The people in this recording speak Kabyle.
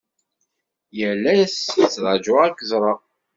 Yal ass tṛajuɣ ad ak-ẓreɣ.